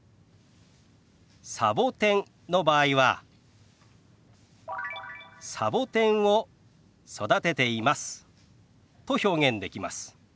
サボテンの場合は「サボテンを育てています」と表現できます。